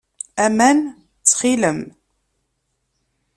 Aman, ttxil-m.